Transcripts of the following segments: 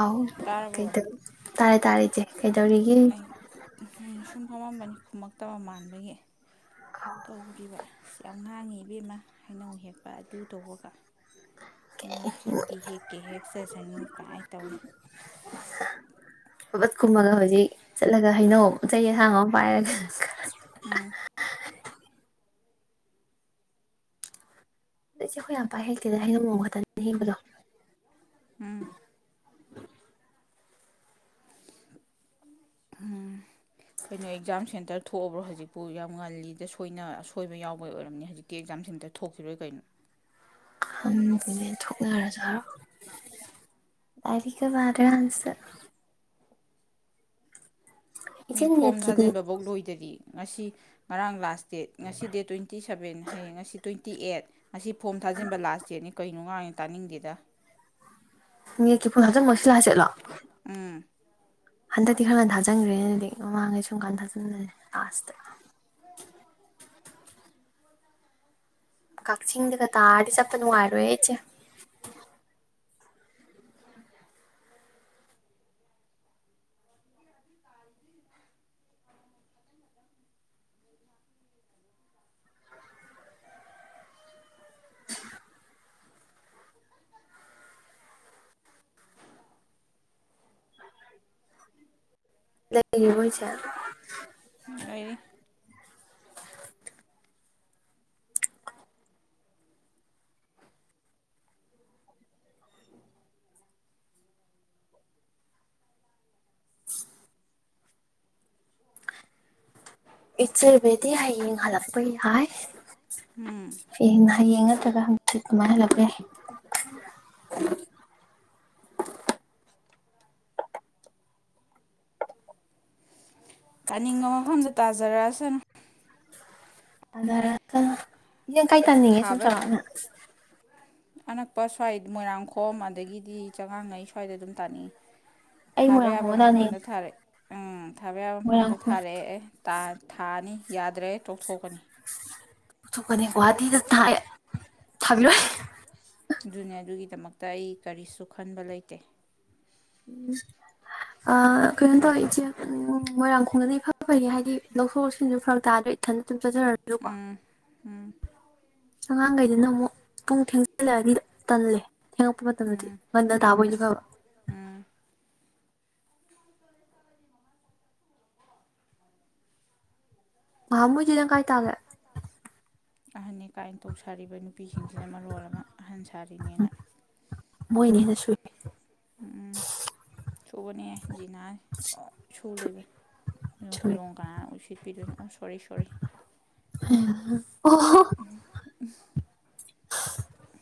ꯑꯥꯎ ꯀ ꯇꯥꯔꯕꯣ ꯇꯥꯔꯦ ꯇꯥꯔꯛ ꯏꯁꯦ ꯀꯩꯗꯧꯔꯤꯒꯦ ꯑꯩ ꯁꯨꯝ ꯐꯝꯃꯝꯕꯅꯤ ꯈꯨꯝꯃꯛꯇꯕ ꯃꯥꯟꯕꯒꯤ ꯀꯧꯔꯤꯕ ꯁꯤ ꯌꯥꯝ ꯉꯥꯡꯉꯤ ꯏꯕꯦꯝꯃ ꯍꯥꯏꯩꯅꯧ ꯍꯦꯛꯄ ꯑꯗꯨ ꯇꯧꯕꯒ ꯍꯩꯅꯧꯁꯤꯕꯨꯗꯤ ꯍꯦꯛꯀꯦ ꯍꯦꯛ ꯆꯁꯅꯨ ꯀꯥꯏ ꯇꯧꯏꯤ ꯐꯕꯠ ꯀꯨꯝꯃꯒ ꯍꯧꯖꯤꯛ ꯆꯠꯂꯒ ꯍꯩꯅꯧ ꯆꯩ ꯑꯁꯥꯡ ꯑꯃ ꯄꯥꯏꯔꯒ ꯎꯝ ꯑꯗꯁꯦ ꯑꯩꯈꯣꯏ ꯌꯥꯝ ꯄꯥꯏ ꯍꯦꯛꯇꯦꯅ ꯍꯅꯤꯡ ꯃꯣꯡꯡ ꯈꯛꯇꯅꯤ ꯍꯦꯟꯕꯗꯣ ꯎꯝ ꯎꯝ ꯀꯩꯅꯣ ꯑꯦꯛꯖꯥꯝ ꯁꯦꯟꯇꯔ ꯊꯣꯛꯑꯕ꯭ꯔꯣ ꯍꯧꯖꯤꯛꯄꯨ ꯌꯥꯝ ꯉꯜꯂꯤꯗ ꯁꯣꯏꯅ ꯑꯁꯣꯏꯕ ꯌꯥꯎꯕꯩ ꯑꯣꯏꯔꯝꯅꯤ ꯍꯧꯖꯤꯛꯤ ꯇꯤ ꯑꯦꯛꯖꯥꯝꯁꯤꯝꯇ ꯊꯣꯛꯈꯤꯔꯣꯏ ꯀꯩꯅꯣ ꯊꯨꯔꯖꯣ ꯑꯔꯤꯀꯕꯥꯔꯁꯨ ꯃꯤ ꯏꯆꯦ ꯐꯣꯝ ꯅꯦꯠꯀꯤꯗꯤ ꯊꯥꯖꯤꯟꯕꯐꯧ ꯂꯣꯏꯗꯔꯤ ꯉꯁꯤ ꯉꯔꯥꯡ ꯂꯥꯁ ꯗꯦꯠ ꯉꯁꯤ ꯗꯦꯠ ꯇ꯭ꯋꯦꯟꯇꯤ ꯁꯕꯦꯟ ꯍꯌꯦꯡ ꯉꯁꯤ ꯇ꯭ꯋꯦꯟꯇꯤ ꯑꯩꯠ ꯑꯁꯤ ꯐꯣꯝ ꯊꯥꯖꯤꯟꯕ ꯂꯥꯁ ꯗꯦꯠꯅꯤ ꯀꯅꯣꯉꯥꯡꯅꯤ ꯇꯥꯅꯤꯡꯗꯦꯗ ꯅꯦꯠꯀꯤ ꯐꫭꯝ ꯊꯥꯖꯤꯟꯕ ꯉꯁꯤ ꯂꯥꯁꯗꯦꯠꯂꯣ ꯎꯝ ꯍꯟꯗꯛꯇꯤ ꯈꯔꯒ ꯊꯥꯖꯟꯈ꯭ꯔꯦ ꯑꯗꯨꯗꯤ ꯃꯃꯥꯡꯈꯩ ꯁꯨꯝ ꯀꯥꯟꯗ ꯊꯥꯖꯟꯂꯦ ꯂꯥꯁꯇ ꯑꯩꯣꯏ ꯑꯗꯣ ꯑꯈꯣ ꯃꯥꯏ ꯍꯥ [unintelligible] ꯀꯛꯆꯤꯡꯗꯒ ꯇꯥꯔꯗꯤ ꯆꯞꯄ ꯅꯨꯡꯉꯥꯏꯔꯣꯏ ꯑꯩ ꯏꯆꯦ ꯇꯥ ꯂꯩꯏ ꯏꯆꯦ ꯂꯩꯔꯤ ꯏꯆꯦꯕꯗꯤ ꯍꯌꯦꯡ ꯍꯜꯂꯛꯄꯩ ꯍꯥꯏ ꯎꯝ ꯍꯦꯡ ꯍꯌꯦꯡ ꯅꯠꯇ꯭ꯔꯒ ꯍꯪꯆꯤꯠ ꯑꯗꯨꯃꯥꯏꯅ ꯍꯜꯂꯛꯄꯦ ꯇꯥꯅꯤꯡꯕ ꯃꯐꯝꯗ ꯇꯥꯖꯔꯛꯑꯁꯅꯨ ꯑꯗꯔ ꯌꯦꯡ ꯀꯥꯏ ꯇꯥꯅꯤꯡꯉꯦ ꯁꯨꯝ ꯊꯥꯕ ꯆꯂꯛꯅ ꯑꯅꯛꯄ ꯁ꯭ꯋꯥꯏꯗ ꯃꯣꯏꯔꯥꯡꯈꯣꯝ ꯑꯗꯒꯤꯗꯤ ꯆꯉꯥꯡꯉꯩ ꯁ꯭ꯋꯥꯏꯗ ꯑꯗꯨꯝ ꯇꯥꯅꯤꯡꯏ ꯑꯩ ꯊꯥꯕ ꯌꯥꯕ ꯃꯣꯏꯔꯥꯡꯈꯣꯝ ꯃꯐꯝꯗ ꯇꯝꯅꯤꯡꯉꯦ ꯊꯥꯔꯛ ꯎꯝ ꯊꯥꯕ ꯌꯥꯕ ꯃꯐꯝꯗ ꯃꯣꯏꯔꯥꯡꯈꯣꯝ ꯊꯥꯔꯛꯑꯦ ꯑꯦ ꯊꯥꯅꯤ ꯌꯥꯗ꯭ꯔꯦ ꯇꯣꯛꯊꯣꯛꯀꯅꯤ ꯊꯣꯛꯀꯅꯤ ꯒꯨꯍꯥꯇꯤꯗ ꯊꯥꯏ ꯊꯥꯕꯤꯔꯣꯏ ꯑꯗꯨꯅꯦ ꯑꯗꯨꯒꯤꯗꯃꯛꯇ ꯑꯩ ꯀꯔꯤꯁꯨ ꯈꯟꯕ ꯂꯩꯇꯦ ꯎꯝ ꯑ ꯀꯩꯅꯣ ꯇꯧꯋꯦ ꯏꯆꯦ ꯃꯣꯏꯔꯥꯡꯈꯣꯡꯗꯗꯤ ꯏꯐ ꯐꯩꯌꯦ ꯍꯥꯏꯗꯤ ꯂꯧꯊꯣꯛ ꯂꯧꯁꯤꯟꯁꯨ ꯐꯔꯛ ꯇꯥꯗ꯭ꯔꯦ ꯏꯊꯟ ꯑꯗꯨꯝ ꯆꯠꯆꯔꯖꯨ ꯀꯣ ꯎꯝ ꯑꯉꯥꯡ ꯒꯩꯗꯨꯅ ꯑꯃꯨꯛ ꯄꯨꯡ ꯊꯦꯡꯖꯤꯜꯂꯛꯑꯗꯤ ꯇꯜꯂꯦ ꯊꯦꯡꯉꯛꯄ ꯃꯇꯝꯗꯗꯤ ꯉꯟꯅ ꯇꯥꯕꯣꯏꯗꯤ ꯐꯕ ꯎꯝ ꯉꯍꯟꯃꯣꯏꯗꯤ ꯅꯪ ꯀꯥꯏ ꯇꯥꯒꯦ ꯑꯍꯟꯅꯦ ꯀꯥꯏꯅ ꯇꯧꯁꯔꯤꯕ ꯅꯨ ꯅꯨꯄꯤꯁꯤꯡꯁꯤꯅ ꯃꯔꯣꯜ ꯑꯃ ꯑꯍꯟ ꯁꯥꯔꯤꯅꯦꯅ ꯃꯣꯏꯅ ꯍꯦꯟꯅ ꯁꯨꯢ ꯎꯝ ꯁꯨꯕꯅꯦ ꯖꯤꯅꯥ ꯗꯨꯝ ꯁꯨꯔꯥ ꯂꯩꯕꯅꯦ ꯁꯨꯏ ꯍꯣꯏꯔꯣꯡ ꯀꯅꯥꯅ ꯎꯁꯦꯠꯄꯤꯗꯣꯏꯅꯣ ꯎꯝ ꯁꯣꯔꯤ ꯁꯣꯔꯤ ꯑꯣ [unintelligible]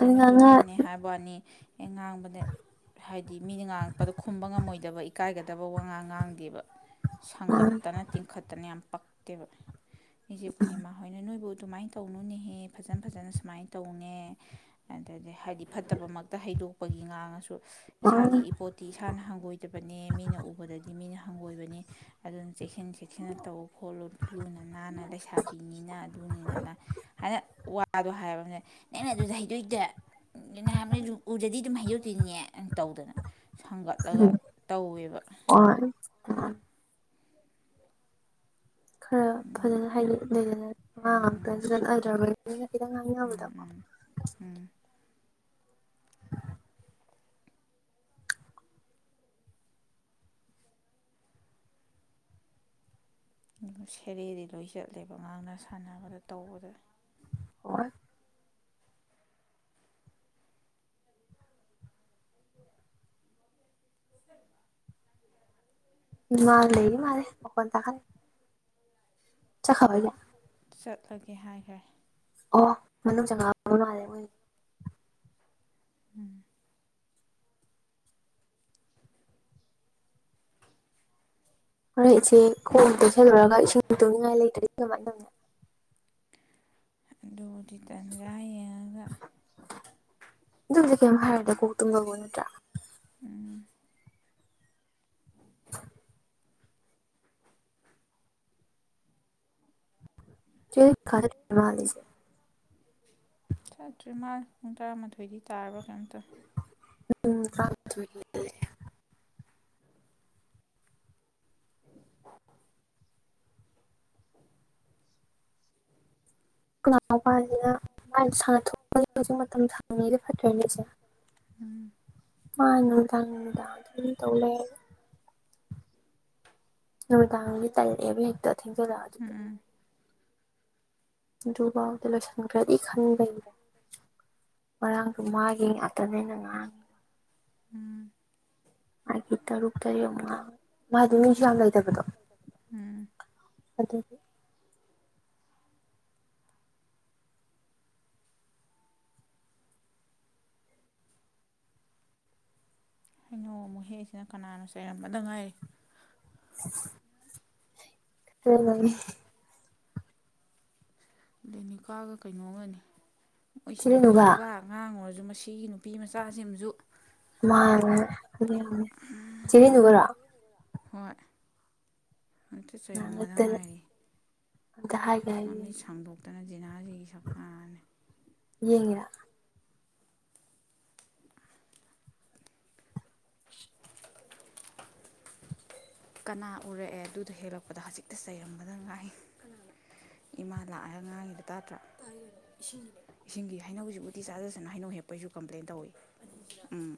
ꯑꯗꯨ ꯉꯥꯡꯉ ꯑꯍꯟꯅꯦ ꯍꯥꯏꯕꯋꯅꯤ ꯑꯦ ꯉꯥꯡꯕꯗ ꯍꯥꯏꯗꯤ ꯃꯤꯅ ꯉꯥꯡꯉꯛꯄꯗꯣ ꯈꯨꯝꯕ ꯉꯝꯃꯣꯏꯗꯕ ꯏꯀꯥꯏꯒꯗꯕ ꯋꯉꯥꯡ ꯉꯥꯡꯗꯦꯕ ꯋꯥꯟ ꯁꯥꯡꯒꯠꯇꯅ ꯇꯤꯡꯈꯠꯇꯅ ꯌꯥꯝ ꯄꯛꯇꯦꯕ ꯏꯆꯦ ꯄꯨꯔꯅꯤꯃꯥ ꯍꯣꯏꯅ ꯅꯣꯏꯕꯨ ꯑꯗꯨꯃꯥꯏ ꯇꯧꯅꯨꯅꯤꯍꯦ ꯐꯖꯟ ꯐꯖꯅ ꯁꯨꯃꯥꯏꯅ ꯇꯧꯅꯦ ꯑꯗꯗꯤ ꯍꯥꯏꯗꯤ ꯐꯠꯇꯕꯃꯛꯇ ꯍꯩꯗꯣꯛꯄꯒꯤ ꯉꯥꯡꯉꯁꯨ ꯏꯁꯥꯒꯤ ꯏꯄꯣꯠ ꯇꯤ ꯏꯁꯥꯅ ꯍꯪꯒꯣꯏꯗꯕꯅꯦ ꯃꯤꯅ ꯎꯕꯗꯗꯤ ꯃꯤꯅ ꯍꯪꯒꯣꯏꯕꯅꯦ ꯑꯗꯨꯅ ꯆꯦꯛꯁꯤꯟ ꯆꯦꯛꯁꯤꯟꯅ ꯇꯧ ꯈꯣꯠꯂꯨ ꯂꯨꯅ ꯅꯥꯟꯅ ꯂꯩꯁꯥꯕꯤꯅꯤꯅ ꯑꯗꯨꯅꯤꯅ ꯑꯗ ꯍꯥꯏꯅ ꯋꯥꯗꯣ ꯍꯥꯏꯕꯅꯦ ꯅꯪꯅ ꯑꯗꯨꯗ ꯍꯩꯗꯣꯛꯏꯗꯣ ꯅꯍꯥꯟꯉꯩ ꯎꯗꯗꯤ ꯑꯗꯨꯝ ꯍꯩꯗꯣꯛꯇꯤꯅꯦ ꯇꯧꯗꯅ ꯁꯪꯒꯠꯂꯒ ꯎꯝ ꯇꯧꯋꯦꯕ ꯑꯣꯢ ꯈꯔ ꯐꯖꯅ ꯍꯥꯏꯗꯤ ꯂꯩꯗꯅ ꯑꯉꯥꯡ ꯎꯝ ꯉꯥꯛꯇ ꯎꯝ ꯅꯠꯅꯗ꯭ꯔꯕꯅꯤꯅ ꯈꯤꯇꯪ ꯎꯝ ꯉꯥꯡꯅꯤꯡꯅꯕꯗꯀꯣ ꯎꯝ ꯎꯝ ꯎꯝ ꯁꯦꯔꯩꯗꯤ ꯂꯣꯏ ꯆꯠꯂꯦꯕ ꯉꯥꯡꯅ ꯁꯥꯟꯅꯕꯗ ꯇꯧꯕꯗ ꯑꯣꯏ ꯃꯥ ꯂꯩ ꯃꯥꯂꯦ ꯃꯈꯣꯟ ꯇꯥꯍꯜ ꯆꯠꯈ꯭ꯔꯕ ꯍꯥꯏꯁꯦ ꯆꯠꯂꯒꯦ ꯍꯥꯏꯈ꯭ꯔꯦ ꯑꯣ ꯃꯅꯨꯡ ꯆꯪꯉꯛꯑꯕꯣ ꯅꯣꯏ [inaudible] ꯎꯝ ꯍꯣꯔꯦꯜ ꯏꯆꯦ ꯈꯣꯡ ꯇꯩꯁꯜꯂꯨꯔꯒ ꯏꯁꯤꯡ ꯇꯨꯝꯅꯤꯡꯉꯥꯏ ꯂꯩꯇ꯭ꯔꯗꯤ ꯀꯝꯃꯥꯏ ꯇꯧꯅꯤ ꯑꯗꯨꯕꯨꯗꯤ ꯇꯟꯖꯥ ꯌꯦꯡꯉꯒ ꯑꯗꯨꯕꯨꯗꯤ ꯀꯩꯝ ꯍꯥꯏꯔꯣꯏꯗ ꯀꯣꯛ ꯇꯨꯝꯕꯕꯨ ꯅꯠꯇ꯭ꯔꯥ ꯎꯝ [unintelligible] [inaudible] ꯈꯔ ꯃꯥꯜꯂꯦꯁꯦ ꯆꯠꯇ꯭ꯔꯤ ꯃꯥꯜꯂꯦ ꯄꯨꯡ ꯇꯔꯥꯃꯥꯊꯣꯏꯗꯤ ꯇꯥꯔꯕ꯭ꯔ ꯀꯩꯅꯣꯝ ꯇꯧꯋꯦ ꯎꯝ [inaudible] ꯈꯣꯏ ꯏꯅꯥꯎꯄꯥꯁꯤꯅ ꯃꯥ ꯁꯥꯟꯅꯊꯣꯛꯄꯒꯤ ꯍꯧꯖꯤꯛ ꯃꯇꯝ ꯁꯥꯡꯉꯤꯒ ꯐꯠꯇ꯭ꯔꯦ ꯅꯦꯁꯦ ꯎꯝ ꯃꯥ ꯅꯨꯡꯗꯥꯡ ꯅꯨꯡꯗꯥꯡ ꯑꯗꯨꯝ ꯇꯧ ꯂꯩꯌꯦꯕ ꯅꯨꯃꯤꯗꯥꯥꯡꯗꯤ ꯇꯜꯂꯦꯕ ꯍꯦꯛꯇ ꯊꯦꯡꯖꯤꯜꯂꯛꯑꯗꯤ ꯎꯝ ꯎꯝ ꯑꯗꯨꯕꯥꯥꯎꯗ ꯂꯣꯏꯁꯤꯟꯈꯔꯗꯤ ꯈꯟꯕꯩꯩꯅꯦ ꯉꯔꯥꯡꯖꯨ ꯃꯥꯒꯤ ꯉꯥꯛꯇꯅꯦ ꯑꯩꯅ ꯉꯥꯡ ꯎꯝ ꯐꯩꯒꯤ ꯇꯔꯨꯛ ꯇꯔꯦꯠ ꯉꯥ ꯃꯥꯗꯤ ꯃꯤꯁꯨ ꯌꯥꯝ ꯂꯩꯇꯕꯗꯣ ꯎꯝ ꯑꯗꯨꯗꯤ ꯍꯩꯅꯣ ꯑꯃꯨꯛ ꯍꯦꯛꯏꯁꯤꯅ ꯀꯅꯥꯅꯣ ꯆꯩꯔꯝꯕꯗ ꯉꯥꯏꯔꯤ [inaudible] [unintelligible] ꯂꯦꯅꯤꯀꯥꯒ ꯀꯩꯅꯣꯒꯅꯤ ꯃꯣꯏꯁꯤꯡꯁꯤꯁꯨ ꯊꯤꯔꯦꯟꯅꯨꯒ ꯕꯥ ꯑꯉꯥꯡ ꯎꯔꯁꯨ ꯃꯁꯤꯒꯤ ꯅꯨꯄꯤ ꯃꯆꯥꯁꯤꯝ ꯃꯁꯨ ꯃꯥ [unintelligible] ꯆꯦ ꯔꯤꯅꯨꯒꯔꯣ ꯍꯣꯏ ꯑꯗꯨ ꯆꯩꯔꯝꯕꯗ ꯉꯥꯡꯉꯛꯇꯅ ꯉꯥꯏꯔꯤ ꯑꯝꯇ ꯍꯥꯏꯒꯦ ꯍꯥꯏꯒꯦ ꯃꯃꯤꯠ ꯁꯥꯡꯗꯣꯛ ꯇꯅ ꯖꯤꯅꯥ ꯌ ꯁꯛꯅꯟꯅꯤ ꯌꯦꯡꯉꯤꯔꯥ ꯀꯅꯥ ꯎꯔꯛꯑꯦ ꯑꯗꯨꯗ ꯍꯦꯛꯂꯛꯄꯗ ꯍꯧꯖꯤꯛꯇ ꯆꯩꯔꯝꯕꯗ ꯉꯥꯏ ꯏꯃꯥ ꯂꯥꯛꯑꯒ ꯉꯥꯡꯉꯤꯗ ꫭ ꯇꯥꯗꯔ ꫭ ꯏꯁꯤꯡꯒꯤ ꯍꯩꯅꯧꯁꯤꯕꯨꯗꯤ ꯆꯥꯖꯁꯅ ꫭ ꯍꯩꯅꯧ ꯍꯦꯛꯄꯩꯁꯨ ꯀꯝꯄ꯭ꯂꯦꯟ ꯇꯧꯏꯤ ꯎꯝ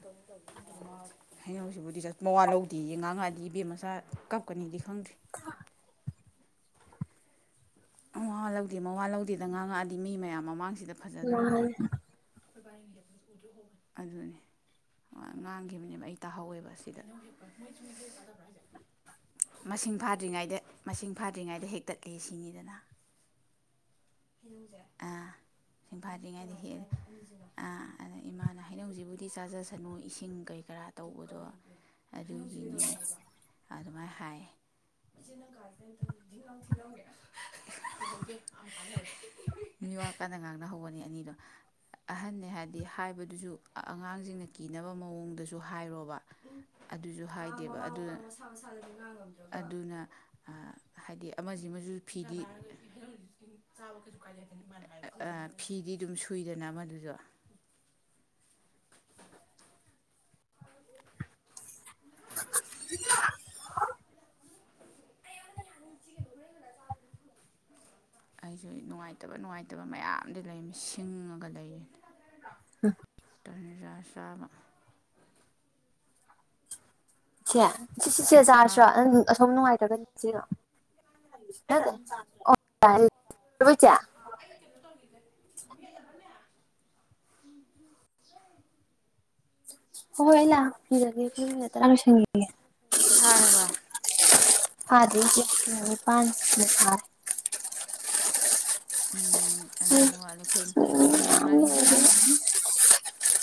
ꯍꯩꯅꯁꯤꯕꯨꯗꯤ ꯆꯠ ꯃꯋꯥ ꯂꯧꯗꯦꯌꯦ ꯉꯥꯡꯉꯛꯑꯗꯤ ꯏꯕꯦꯝꯃ ꯀꯞꯀꯅꯤꯗꯤ ꯈꯪ [unintelligible] ꯑꯋꯥ ꯂꯧꯗꯦ ꯃꯋꯥ ꯂꯧꯗꯦꯗ ꯉꯥꯡꯉꯛꯑꯗꯤ ꯃꯤ ꯃꯌꯥꯝ ꯃꯃꯥꯡꯁꯤꯗ ꯐꯖꯗꯣꯔꯤꯕꯅꯤ ꯃꯥꯅ ꯑꯗꯨꯅꯦ ꯉꯥꯡꯈꯤꯕꯅꯦꯕ ꯑꯩ ꯇꯥꯍꯧꯋꯦꯕ ꯁꯤꯗ ꯃꯁꯤꯡ ꯐꯥꯗ꯭ꯔꯤꯉꯩꯗ ꯃꯁꯤꯡ ꯐꯥꯗ꯭ꯔꯤꯉꯩꯗ ꯍꯦꯛꯛꯇꯠꯂꯤ ꯁꯤꯅꯤꯗꯅ ꯑ ꯃꯁꯤꯡ ꯐꯥꯗꯔꯤ ꯉꯩꯗ ꯍꯦꯛꯂꯦ ꯑꯥ ꯏꯃꯥꯅ ꯍꯩꯅꯧꯁꯤꯕꯨꯗꯤ ꯆꯥꯖꯁꯅꯨ ꯏꯁꯤꯡ ꯀꯩꯀꯔꯥ ꯇꯧꯕꯗꯣ ꯑꯗꯨꯒꯤꯅꯦ ꯑꯗꯨꯃꯥꯏꯅ ꯍꯥꯏꯌꯦ ꯏꯆꯦ ꯅꯪ ꯀꯥꯁꯤꯗ ꯑꯝꯇꯪ ꯗꯤꯡ ꯂꯥꯎ ꯊꯤꯜꯂꯝꯒꯦ ꯃꯤꯋꯥ ꯀꯟꯅ ꯉꯥꯡꯅ ꯍꯧꯕꯅꯤ ꯑꯅꯤꯗꯣ ꯑꯍꯟꯅꯦ ꯍꯥꯏꯗꯤ ꯍꯥꯏꯕꯗꯨꯁꯨ ꯑꯉꯥꯡꯁꯤꯡꯅ ꯀꯤꯅꯕ ꯃꯑꯣꯡꯗꯁꯨ ꯍꯥꯏꯔꯣꯕ ꯑꯗꯨꯁꯨ ꯍꯥꯏꯗꯦꯕ ꯑꯗꯨ ꯑꯗꯨꯅ ꯍꯥꯏꯗꯤ ꯑꯃꯁꯤꯃꯁꯨ ꯐꯤꯗꯤ ꯑ ꯐꯤꯗꯤ ꯑꯗꯨꯝ ꯁꯨꯏꯗꯅ ꯃꯗꯨꯁꯨ ꯑꯩꯁꯨ ꯅꯨꯡꯉꯥꯏꯇꯕ ꯅꯨꯡꯉꯥꯏꯇꯕ ꯃꯌꯥꯝꯗꯤ ꯂꯩꯔꯃꯤ ꯁꯤꯡꯉꯒ ꯂꯩꯔꯤ [unintelligible] ꯇꯅꯤꯖꯥ ꯆꯥꯕ ꯁꯦ ꯁꯤ ꯁꯤꯁꯦ ꯆꯥꯔꯁꯤ꯭ꯔꯥ ꯍꯥꯎ ꯅꯪ ꯑꯁꯣꯝ ꯅꯨꯡꯉꯥꯏꯇ꯭ꯔꯒꯅꯤ [unintelligible] ꯑꯩ ꯀꯩꯅꫭ ꯇꯣꯡꯉꯗꯦ [unintelligible] ꯍꫭ ꯍꫭꯏ ꯑꯩ ꯐꯥꯔꯕ ꯂꯥꯛꯄꯤꯔꯒꯦ [unintelligible] ꯐꯗꯔꯤ [unintelligible] ꯃꯤꯅꯤꯠ ꯃꯤ ꯑꯅꯤ ꯋꯥꯠꯂꯦ ꯑꯩꯈꯣꯏ ꯑꯩꯈꯣꯏ ꯃꯌꯥꯝ ꯉꯥꯡꯅꯔꯤꯕ ꯂꯩꯔꯦ ꯃꯌꯥꯝꯁꯦ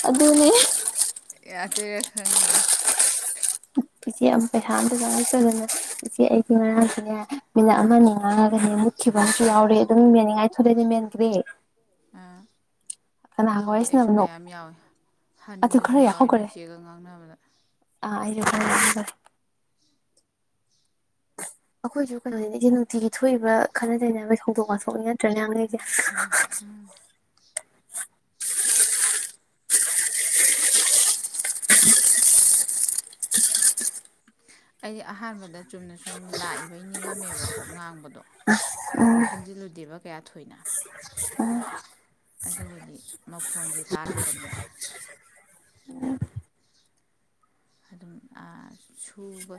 ꯑꯗꯨꯅꯦ ꯌꯥꯇꯩꯔꯥ ꯈꯪꯗꯦ ꯏꯆꯦ ꯑꯃ ꯄꯩꯁꯥ ꯑꯝꯇ ꯆꯪꯉꯛꯇꯗꯅ ꯏꯆꯦ ꯑꯩꯁꯦ ꯉꯔꯥꯡꯁꯤꯅꯦ ꯃꯤꯅꯠ ꯑꯃꯅꯤꯅꯤ ꯉꯥꯡꯉꯒꯅꯦ ꯃꯨꯠꯈꯤꯕ ꯑꯃꯁꯨ ꯌꯥꯎꯔꯦ ꯑꯗꯨꯝ ꯃꯤꯅꯤꯡꯉꯥꯏ [unintelligible] ꯑꯥ ꯑꯗꯨꯕꯨꯗꯤ ꯋꯥꯔꯤ ꯑꯩꯁꯨ ꯁꯥꯟꯅꯕꯅꯣ ꯃꯌꯥꯝ ꯌꯥꯎꯏꯤ ꯑꯗꯨ ꯍꯟꯕꯁꯨ ꯈꯔ ꯌꯥꯎꯋꯦ ꯌꯥꯎꯈ꯭ꯔꯦ ꯅꯣꯏ ꯆꯦꯒ ꯉꯥꯡꯅꯕꯗ ꯑꯥ ꯑꯩ [unintelligible] ꯑꯩꯈꯣꯏꯁꯨ ꯀꯩꯅꯣꯅꯤꯅꯦ ꯏꯆꯦ ꯅꯨꯡꯇꯤꯒꯤ ꯊꯣꯛꯏꯕ ꯈꯠꯅ ꯆꯩꯅꯕꯒꯤ ꯊꯧꯗꯣꯛ ꯋꯥꯊꯣꯛꯅꯤ ꯅꯠꯇ꯭ꯔꯥꯅꯦ ꯉꯥꯡꯅꯩꯁꯦ ꯎꯝ ꯎꯝ ꯑꯩꯗꯤ ꯑꯍꯥꯟꯕꯗ ꯆꯨꯝꯅ ꯁꯨꯝ ꯂꯥꯛꯏꯕꯩ ꯅꯤꯡꯉꯝꯃꯦꯕꯀꯣ ꯉꯥꯡꯕꯗꯣ ꯎꯝ ꯈꯟꯖꯤꯜꯂꯨꯗꯦꯕ ꯀꯌꯥ ꯊꯣꯏꯅ ꯑ ꯑꯗꯨꯒꯗꯤ ꯃꯈꯣꯟꯖꯦ ꯇꯥꯔꯛꯄꯅꯦꯕ ꯑꯗꯨꯝ ꯑ ꯁꯨꯕ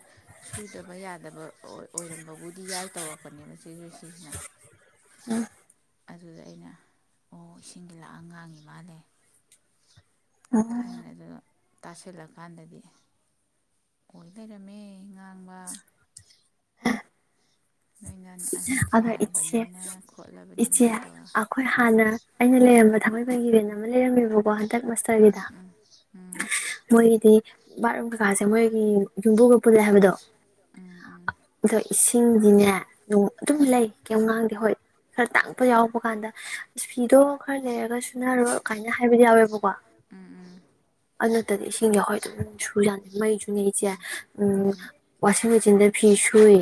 ꯁꯨꯗꯕ ꯌꯥꯗꯕ ꯑꯣꯏꯔꯝꯕꯕꯨꯗꯤ ꯌꯥꯏ ꯇꯧꯔꯛꯄꯅꯦꯕ ꯆꯦ ꯖꯣꯏꯁ꯭ꯔꯤ ꯁꯤꯅ ꯑꯗꯨꯗ ꯑꯩꯅ ꯑꯣ ꯏꯁꯤꯡꯒꯤ ꯂꯥꯛꯑꯒ ꯉꯥꯡꯉꯤ ꯃꯥꯜꯂꯦ ꯈꯪꯗꯦ ꯑꯗꯨꯒ ꯇꯁꯤꯜꯂꯀꯥꯟꯗꯗꯤ ꯑꯣꯏ ꯂꯩꯔꯝꯃꯦ ꯉꯥꯡꯕ ꯅꯣꯏꯅ ꯑꯍꯟ ꯑꯗꯣ ꯏꯆꯦ ꯁꯥꯔꯕꯅꯤꯅ ꯈꯣꯠꯂꯕꯅꯤꯅ ꯏꯆꯦ ꯇꯧꯌꯦ ꯑꯩꯈꯣꯏ ꯍꯥꯟꯅ ꯑꯩꯅ ꯂꯩꯔꯝꯕ ꯊꯥꯡꯃꯩꯕꯟꯒꯤ ꯔꯦꯟ ꯑꯃ ꯂꯩꯔꯝꯃꯦꯕꯀꯣ ꯍꯟꯗꯛ ꯃꯁꯇ꯭ꯔꯒꯤꯗ ꯎꯝ ꯎꯝ ꯎꯝ ꯃꯣꯏꯒꯤꯗꯤ ꯕꯥꯠꯔꯨꯝ ꯀꯩꯀꯥꯁꯦ ꯃꯣꯏꯒꯤ ꯌꯨꯝꯕꯨꯒ ꯄꯨꯜꯂꯦ ꯍꯥꯏꯕꯗꯣ ꯎꯝ ꯎꯝ ꯑꯗꯣ ꯏꯁꯤꯡꯗꯤꯅꯦ ꯅꯣ ꯑꯗꯨꯝ ꯂꯩ ꯀꯩꯝ ꯉꯥꯡꯗꯦ ꯍꯣꯏ ꯈꯔ ꯇꯥꯡꯉꯛꯄ ꯌꯥꯎꯕ ꯀꯥꯟꯗ ꯏꯁ ꯐꯤꯗꯣ ꯈꯔ ꯂꯩꯔꯒ ꯁꯨꯅꯔꯣ ꯀꯥꯏꯅ ꯍꯥꯏꯕꯗꯤ ꯌꯥꯎꯋꯦꯕꯀꯣ ꯑꯩꯈꯣꯏ ꯑꯗꯨ ꯅꯠꯇꯗꯤ ꯏꯁꯤꯡꯌꯥꯎ ꯑꯗꯨꯝ ꯁꯨ ꯖꯥꯅꯤ ꯃꯩꯁꯨꯅꯦ ꯏꯆꯦ ꯎꯝ ꯋꯥꯁꯤꯡ ꯃꯦꯆꯤꯟꯗ ꯐꯤ ꯁꯨꯏ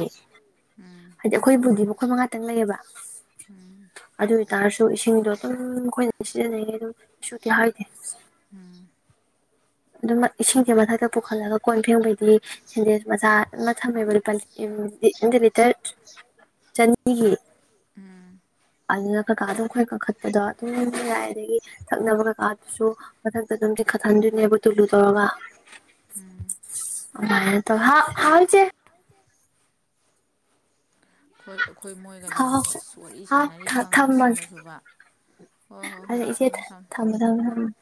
ꯍꯥꯏꯗꯤ ꯑꯈꯣꯏꯕꯨꯗꯤ ꯃꯈꯣꯏ ꯃꯉꯥꯇꯪ ꯂꯩꯌꯦꯕ ꯎꯝ ꯑꯗꯨ ꯑꯣꯏꯇꯥꯔꯁꯨ ꯏꯁꯤꯡꯗꯣ ꯑꯗꯨꯝ ꯑꯈꯣꯏꯅ ꯁꯤꯖꯤꯟꯅꯩꯅꯦ ꯑꯗꯨꯝ ꯀꯩꯁꯨꯗꯤ ꯍꯥꯏꯗꯦ ꯎꯝ ꯑꯗꯨꯝ ꯏꯁꯤꯡꯁꯦ ꯃꯊꯛꯇ ꯄꯨꯈꯠꯂꯒ ꯀꯣꯟ ꯐꯦꯡꯕꯩꯗꯤ ꯁꯦꯟꯗꯦꯛꯁ ꯃꯆꯥ ꯑꯃ ꯊꯝꯃꯦꯕ ꯂꯨ ꯄ ꯅꯠꯇꯦ ꯂꯤꯇꯔ ꯆꯅꯤꯒꯤ ꯎꯝ ꯑꯗꯨꯅ ꯀꯀꯥꯗꯣ ꯑꯈꯣꯏ ꯀꯥꯈꯠꯄꯗꯣ ꯑꯗꯨꯝ ꯌꯥꯏ ꯑꯗꯒꯤ ꯊꯛꯅꯕ ꯀꯩꯀꯥꯗꯨꯁꯨ ꯃꯊꯛꯇ ꯑꯗꯨꯝ ꯆꯤꯡꯈꯠꯍꯟꯗꯣꯏꯅꯦꯕ ꯇꯨꯂꯨ ꯇꯧꯔꯒ ꯎꯝ ꯑꯗꯨꯃꯥꯢ ꯇꯧ ꯍꯥ ꯍꯥꯎ ꯏꯆꯦ [unintelligible] ꯑꯈꯣꯏ ꯑꯈꯣꯏ ꯃꯣꯏꯒ ꯍꯥꯎ ꯂꯩꯃꯤꯟꯅꯩ ꯑꯁ ꯋꯥꯔꯤ ꯍꯥꯎ ꯁꯥꯟꯅꯔꯤ ꯈꯪꯉꯒ ꯊꯝꯃꯒꯦ ꯁꯤꯃꯁꯨꯕ ꯍꯣꯏ ꯍꯣꯏ ꯍꯣꯏ ꯑꯗ ꯏꯆꯦ ꯊꯝꯃꯣ ꯊꯝꯃꯣ [unintelligible]